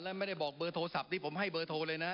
แล้วไม่ได้บอกเบอร์โทรศัพท์ที่ผมให้เบอร์โทรเลยนะ